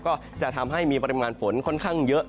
ก็จะทำให้มีปริมาณฝนค่อนข้างเยอะ